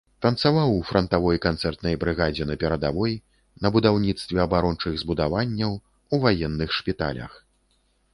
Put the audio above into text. Танцаваў у франтавой канцэртнай брыгадзе на перадавой, на будаўніцтве абарончых збудаванняў, у ваенных шпіталях.